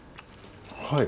はい。